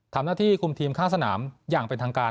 ทำหน้าที่คุมทีมข้างสนามอย่างเป็นทางการ